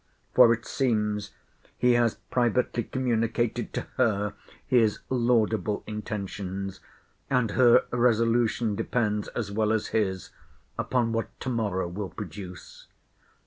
For, it seems, he has privately communicated to her his laudable intentions: and her resolution depends, as well as his, upon what to morrow will produce.